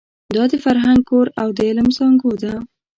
دا د فرهنګ کور او د علم زانګو ده.